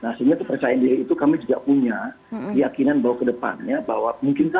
nah sehingga tuh percaya diri itu kami juga punya yakinan bahwa ke depannya bahwa kita bisa mencapai keputusan